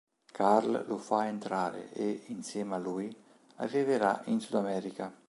Carl lo fa entrare e, insieme a lui, arriverà in Sudamerica.